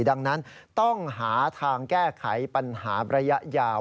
ดังนั้นต้องหาทางแก้ไขปัญหาระยะยาว